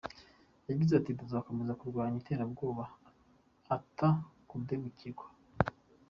Yagize ati: "Tuzokomeza kurwanya iterabwoba ata kudebukirwa".